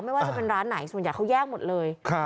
ไม่ว่าจะเป็นร้านไหนส่วนใหญ่เขาแยกหมดเลย